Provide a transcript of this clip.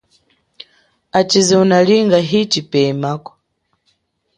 Achize unalinga hi chipemako.